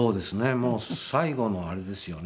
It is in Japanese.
もう最後のあれですよね。